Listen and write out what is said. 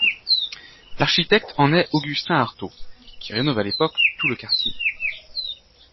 L'architecte en est Augustin Arthaud, qui rénove à l'époque tout le quartier.